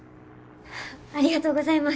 ありがとうございます！